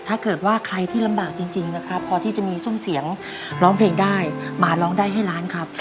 ถ้าเกิดว่าใครที่ลำบากจริงนะครับพอที่จะมีซุ่มเสียงร้องเพลงได้มาร้องได้ให้ล้านครับ